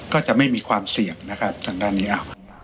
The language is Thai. ก็จะไม่มีความเสี่ยงนะครับทางด้านนี้